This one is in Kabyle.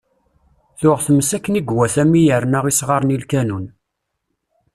Tuɣ tmes akken i iwata mi yerna isɣaren i lkanun.